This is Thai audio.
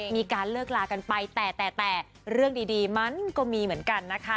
มีการเลิกลากันไปแต่แต่เรื่องดีมันก็มีเหมือนกันนะคะ